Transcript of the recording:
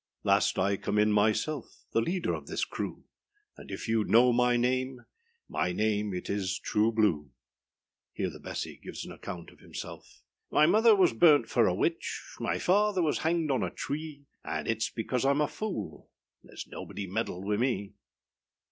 Last I come in myself, The leader of this crew; And if youâd know my name, My name it is âTrue Blue.â Here the BESSY gives an account of himself. My mother was burnt for a witch, My father was hanged on a tree, And itâs because Iâm a fool Thereâs nobody meddled wiâ me.